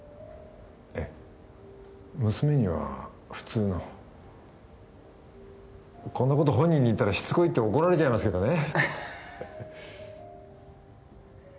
ええ娘には普通のこんなこと本人に言ったらしつこいって怒られちゃいますけどね